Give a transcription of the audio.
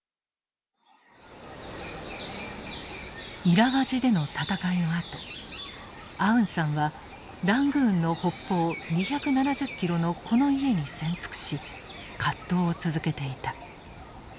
イラワジでの戦いのあとアウンサンはラングーンの北方２７０キロのこの家に潜伏し葛藤を続けていた。